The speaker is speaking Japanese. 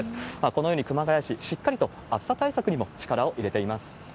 このように熊谷市、しっかりと暑さ対策にも力を入れています。